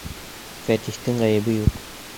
Фәтихтең ғәйебе юҡ!